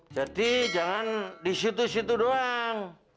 jadi jangan disitu situ doang